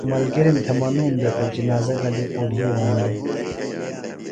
ملگِرِم تھےۡ منُوم دےۡ تہ جِنازہ گلیۡ اُڈھیوَن دےۡ